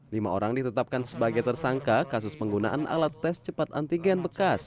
lima orang ditetapkan sebagai tersangka kasus penggunaan alat tes cepat antigen bekas